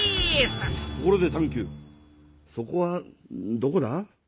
ところでＴａｎ−Ｑそこはどこだ？